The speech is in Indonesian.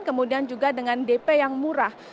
kemudian juga dengan dp yang murah